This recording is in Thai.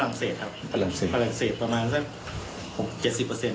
ฝรั่งเศรษฐ์ครับฝรั่งเศรษฐ์ฝรั่งเศรษฐ์ประมาณสักหกเจ็ดสิบเปอร์เซ็นต์